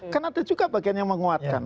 kan ada juga bagian yang menguatkan